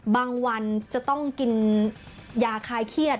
วันจะต้องกินยาคลายเครียด